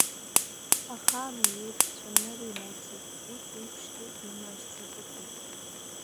Ахаан ус еиԥш цәанырра имоуцызт, ус еиԥшгьы дымлашьцакыцызт.